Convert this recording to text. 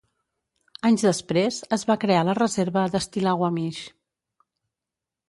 Anys després, es va crear la reserva de Stillaguamish.